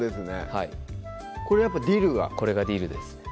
はいこれやっぱディルがこれがディルですね